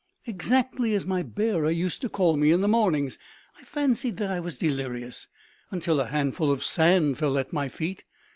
exactly as my bearer used to call me in the mornings. I fancied that I was delirious until a handful of sand fell at my feet.